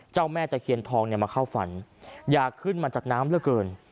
แม่ตะเคียนทองเนี่ยมาเข้าฝันอยากขึ้นมาจากน้ำเหลือเกิน